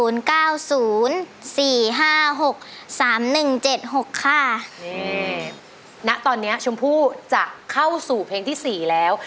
นี่ณตอนนี้ชมพู่จะเข้าสู่เพลงที่๔แล้ว